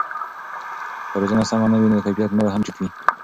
که روزنه سمه نه وي نو کیفیت به هم ټیټ وي.